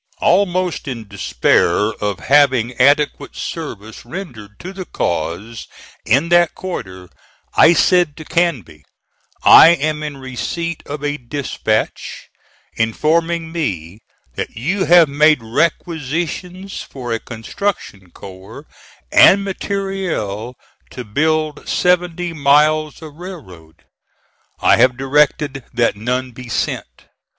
Almost in despair of having adequate service rendered to the cause in that quarter, I said to Canby: "I am in receipt of a dispatch informing me that you have made requisitions for a construction corps and material to build seventy miles of railroad. I have directed that none be sent.